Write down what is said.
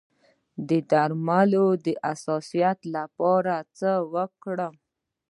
د درملو د حساسیت لپاره باید څه وکړم؟